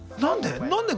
何で？